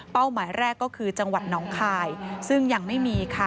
หมายแรกก็คือจังหวัดน้องคายซึ่งยังไม่มีค่ะ